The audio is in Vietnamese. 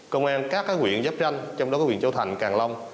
công an các huyện giáp tranh trong đó có huyện châu thành càng long